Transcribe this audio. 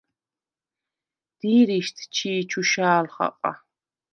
დი̄რიშდ ჩი̄ ჩუშა̄ლ ხაყა.